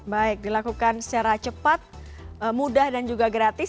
baik dilakukan secara cepat mudah dan juga gratis